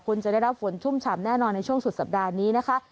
คุณจะได้รับฝนชุ่มฉ่ำแน่นอนในช่วงสุดสัปดาห์นี้นะคะ